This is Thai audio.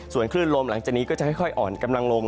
ส่วนคลื่นลมหลังจากนี้ก็จะค่อยอ่อนกำลังลง